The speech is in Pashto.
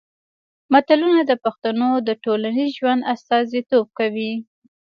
متلونه د پښتنو د ټولنیز ژوند استازیتوب کوي